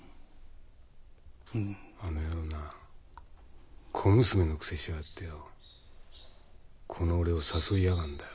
あの野郎な小娘のくせしやがってよこの俺を誘いやがんだよ。